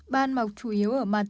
ban mọc chủ yếu ở mặt